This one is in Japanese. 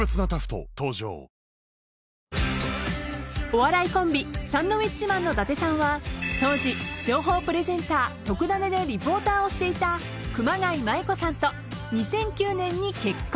［お笑いコンビサンドウィッチマンの伊達さんは当時『情報プレゼンターとくダネ！』でリポーターをしていた熊谷麻衣子さんと２００９年に結婚］